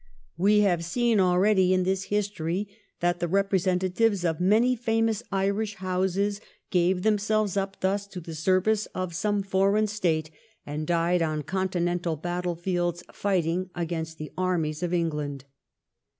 We have seen already in this history that the repre sentatives of many famous Irish houses gave themselves up thus to the service of some foreign State and died on Continental battle fields fighting against the armies of England.